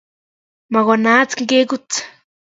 makonaat ngekut